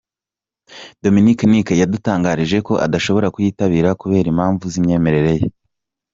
Dominic Nic yadutangarije ko adashobora kuyitabira kubera impamvu z’imyemerere ye.